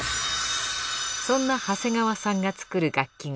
そんな長谷川さんが作る楽器が